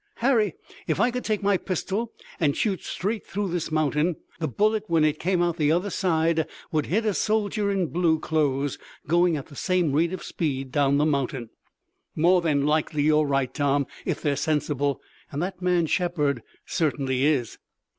"Harry, if I could take my pistol and shoot straight through this mountain the bullet when it came out on the other side would hit a soldier in blue clothes, going at the same rate of speed down the mountain." "More than likely you're right, Tom, if they're sensible, and that man Shepard certainly is."